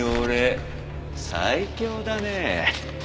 最強だねえ。